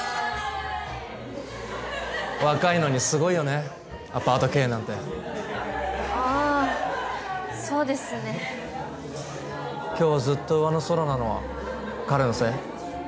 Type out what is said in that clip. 若いのにすごいよねアパート経営なんてああそうですね今日ずっと上の空なのは彼のせい？